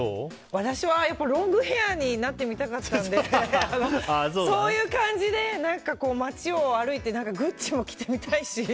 私はロングヘアになってみたかったのでそういう感じで街を歩いてＧＵＣＣＩも着てみたいし。